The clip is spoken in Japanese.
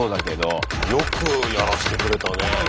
よくやらせてくれたね。